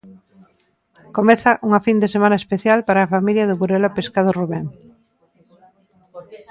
Comeza unha fin de semana especial para a familia do Burela Pescados Rubén.